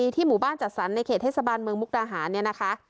ที่หมู่บ้านจัดสรรในเขตเทศบาลเมืองมกดารหา